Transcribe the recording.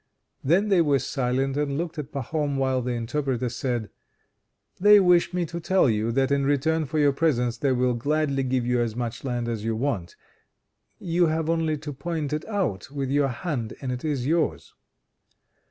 Then they were silent and looked at Pahom while the interpreter said: "They wish me to tell you that in return for your presents they will gladly give you as much land as you want. You have only to point it out with your hand and it is yours."